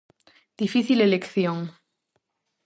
Difícil elección!